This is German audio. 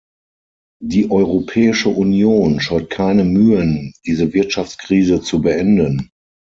Die Europäische Union scheut keine Mühen, diese Wirtschaftskrise zu beenden.